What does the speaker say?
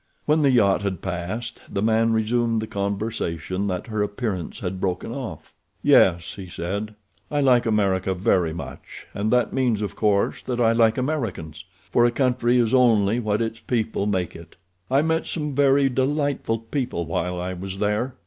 When the yacht had passed the man resumed the conversation that her appearance had broken off. "Yes," he said, "I like America very much, and that means, of course, that I like Americans, for a country is only what its people make it. I met some very delightful people while I was there.